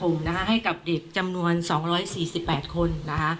ห้ามมีนาคมให้กับเด็กจำนวน๒๔๘คน